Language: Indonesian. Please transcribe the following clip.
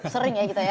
sering ya kita ya